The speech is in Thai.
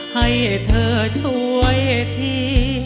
ให้เธอช่วยที